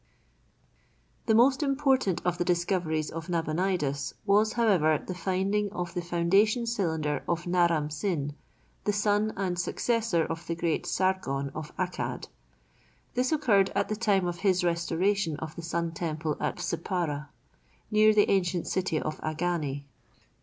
The most important of the discoveries of Nabonidus, was, however, the finding of the foundation cylinder of Naram Sin, the son and successor of the great Sargon of Accad. This occurred at the time of his restoration of the Sun temple at Sippara, near the ancient city of Agane.